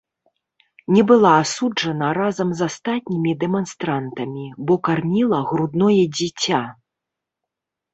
Не была асуджана разам з астатнімі дэманстрантамі, бо карміла грудное дзіця.